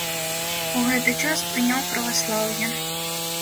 У гэты час прыняў праваслаўе.